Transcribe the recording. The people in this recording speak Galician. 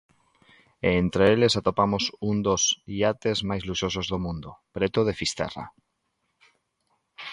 E entre eles atopamos un dos iates máis luxosos do mundo, preto de Fisterra.